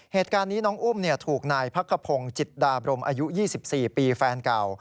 เหตุการณ์นี้น้องอุ้มถูกนายพักขพงศ์จิตดาบรมอายุ๒๔ปีแฟนเก่า